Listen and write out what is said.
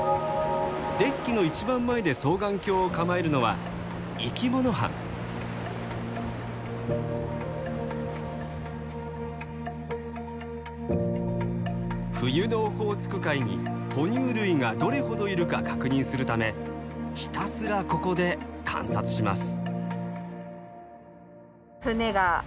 デッキの一番前で双眼鏡を構えるのは冬のオホーツク海に哺乳類がどれほどいるか確認するためひたすらここで観察します。